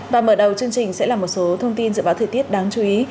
và mở đầu chương trình sẽ là một số thông tin dự báo thời tiết đáng chú ý